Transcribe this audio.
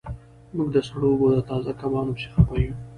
موږ د سړو اوبو د تازه کبانو پسې خفه یو